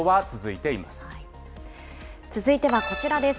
続いてはこちらです。